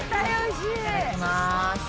いただきます。